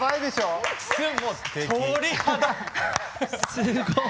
すごい！